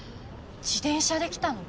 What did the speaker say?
自転車で来たの！？